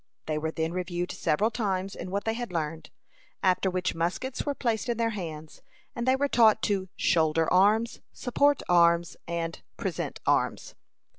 They were then reviewed several times in what they had learned: after which muskets were placed in their hands, and they were taught to "shoulder arms," "support arms," and "present arms."